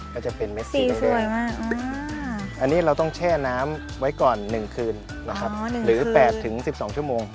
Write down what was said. ก็จะเป็นเม็ดซีเมนอันนี้เราต้องแช่น้ำไว้ก่อน๑คืนนะครับหรือ๘๑๒ชั่วโมง